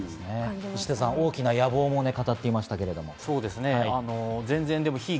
大きな野望も語っていましたけれども。